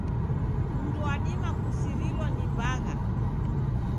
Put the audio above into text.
Mndu wadima kusirilwa ni bagha.